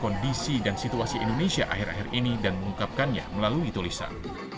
kondisi ini juga menyebutkan sebuah hal yang menyebutkan indonesia akhir akhir ini dan mengungkapkannya melalui tulisan